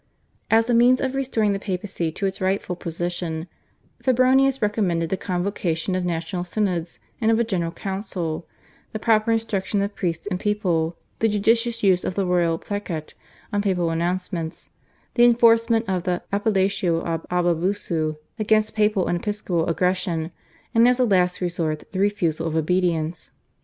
As a means of restoring the Papacy to its rightful position, Febronius recommended the convocation of national synods and of a General Council, the proper instruction of priests and people, the judicious use of the Royal /Placet/ on papal announcements, the enforcement of the /Appelatio ab Abusu/ against papal and episcopal aggression, and, as a last resort, the refusal of obedience.